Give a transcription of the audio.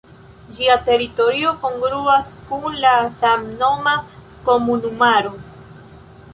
Ĝia teritorio kongruas kun la samnoma komunumaro.